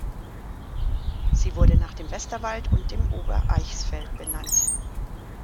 Sie wurde nach dem Westerwald und dem Obereichsfeld benannt.